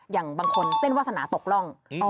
อย่างบางคนเส้นวาสนาตกร่อง